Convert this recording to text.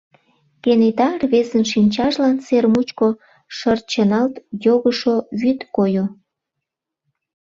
Кенета рвезын шинчажлан сер мучко шырчыналт йогышо вӱд койо.